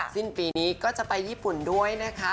สิ้นปีนี้ก็จะไปญี่ปุ่นด้วยนะคะ